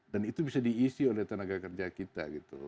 dan itu bisa diisi oleh tenaga kerja kita gitu